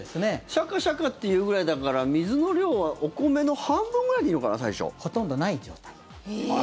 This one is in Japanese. シャカシャカっていうぐらいだから水の量はお米の半分ぐらいでいいのかな？